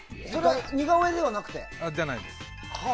似顔絵ではなくて？じゃないです。